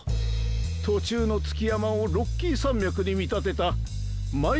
途中の築山をロッキー山脈に見立てたマイ